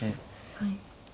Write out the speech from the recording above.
はい。